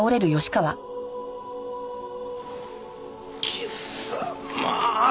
貴様！